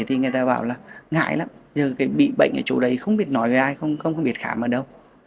thì người ta bảo là ngại lắm giờ bị bệnh ở chỗ đấy không biết nói về ai không biết khám ở đâu